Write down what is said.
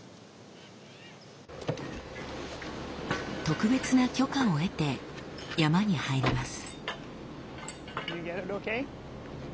特別な許可を得て山に入ります。